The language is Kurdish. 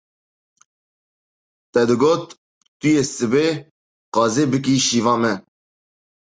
Te digot tu yê sibê qazê bikî şîva me?